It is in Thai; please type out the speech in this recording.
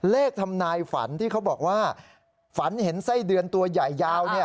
ทำนายฝันที่เขาบอกว่าฝันเห็นไส้เดือนตัวใหญ่ยาว